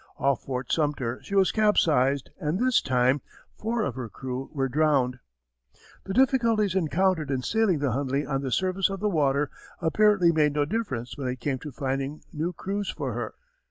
Off Fort Sumter she was capsized and this time four of her crew were drowned. The difficulties encountered in sailing the Hundley on the surface of the water apparently made no difference when it came to finding new crews for her.